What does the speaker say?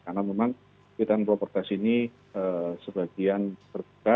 karena memang pilihan propertas ini sebagian serta